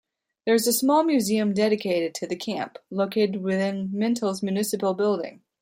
There is a small museum dedicated to the camp located within Minto's municipal building.